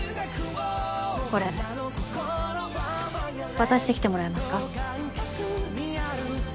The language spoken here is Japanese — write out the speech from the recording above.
これ渡してきてもらえますか？